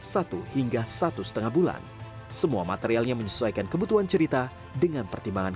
satu hingga satu setengah bulan semua materialnya menyesuaikan kebutuhan cerita dengan pertimbangan